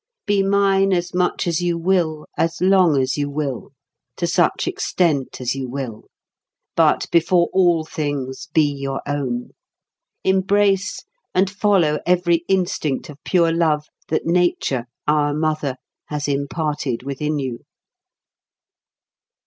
Be mine as much as you will, as long as you will, to such extent as you will, but before all things be your own; embrace and follow every instinct of pure love that nature, our mother, has imparted within you."